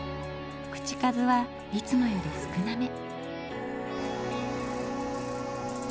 口数はいつもより少なめ。